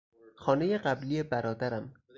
خانهی قبلی برادرم